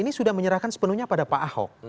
ini sudah menyerahkan sepenuhnya pada pak ahok